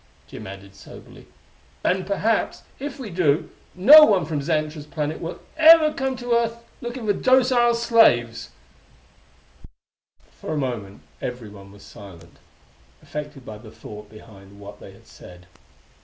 Jim added soberly: "And perhaps, if we do, no one from Xantra's planet will ever again come to Earth looking for 'docile' slaves...." For a moment everyone was silent, affected by the thought behind what they had said.